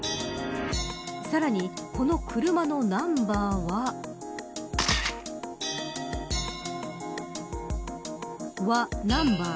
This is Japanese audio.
さらに、この車のナンバーはわナンバー。